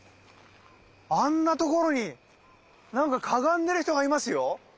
あんなところになんかかがんでる人がいますよ！